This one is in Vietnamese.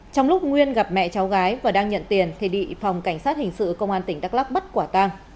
trong lúc nguyên gặp mẹ cháu gái và đang nhận tiền thế đị phòng cảnh sát hình sự công an tỉnh đắk lắk bắt quả tang